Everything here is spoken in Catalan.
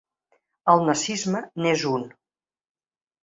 El nazisme n’és un.